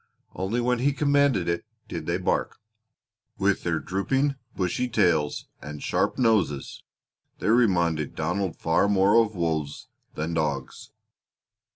Only when he commanded it did they bark. With their drooping, bushy tails and sharp noses they reminded Donald far more of wolves than dogs.